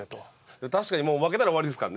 確かにもう負けたら終わりですからね。